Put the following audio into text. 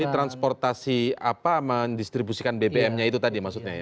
transportasi apa mendistribusikan bbm nya itu tadi maksudnya ya